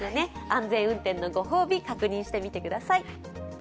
安全運転のご褒美、確認してみてください。